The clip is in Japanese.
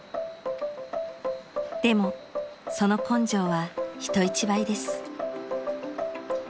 ［でもその根性は人一倍です］